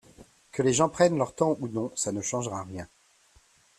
Que les gens prennent leur temps ou non ça ne changera rien.